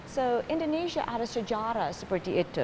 jadi indonesia ada sejarah seperti itu